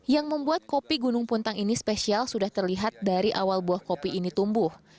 yang membuat kopi gunung puntang ini spesial sudah terlihat dari awal buah kopi ini tumbuh